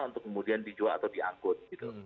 untuk kemudian dijual atau diangkut gitu